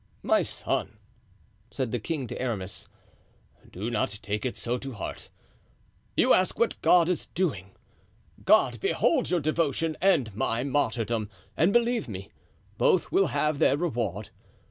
"My son," said the king to Aramis, "do not take it so to heart. You ask what God is doing. God beholds your devotion and my martyrdom, and believe me, both will have their reward.